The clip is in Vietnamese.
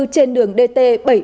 trên đường dt bảy trăm bốn mươi một